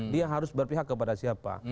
dia harus berpihak kepada siapa